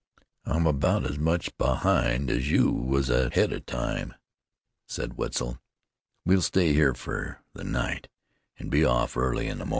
"I'm about as much behind as you was ahead of time," said Wetzel. "We'll stay here fer the night, an' be off early in the mornin'."